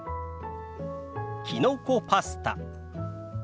きのこパスタ。